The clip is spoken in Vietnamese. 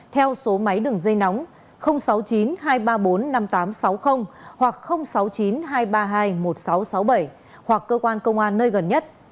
theo số máy đường dây nóng sáu mươi chín hai trăm ba mươi bốn năm nghìn tám trăm sáu mươi hoặc sáu mươi chín hai trăm ba mươi hai một nghìn sáu trăm sáu mươi bảy hoặc cơ quan công an nơi gần nhất